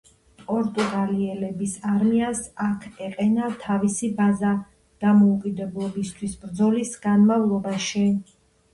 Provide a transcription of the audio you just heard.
პორტუგალიელების არმიას აქ ეყენა თავისი ბაზა დამოუკიდებლობისთვის ბრძოლის განმავლობაში.